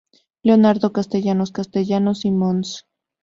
Leonardo Castellanos Castellanos y Mons.